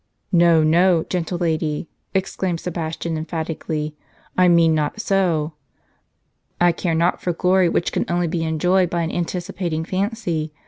"No, no, gentle lady," exclaimed Sebastian, emphatically. " I mean not so. 1 cai'e not for glory, which can only be enjoyed by an anticipating fancy.